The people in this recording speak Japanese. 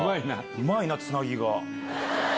うまいなつなぎが。